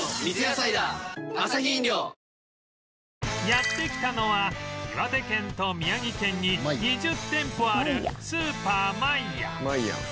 やって来たのは岩手県と宮城県に２０店舗あるスーパーマイヤまいやん。